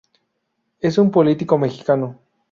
Es un político mexicano.